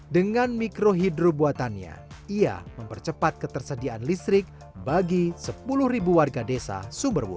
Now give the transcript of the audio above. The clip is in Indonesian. dengan mikrohidro buatannya ia mempercepat kesediaan listrik bagi sepuluh ribu warga desa sumberwuluh